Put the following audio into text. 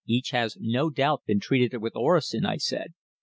Each has no doubt been treated with orosin!" I said.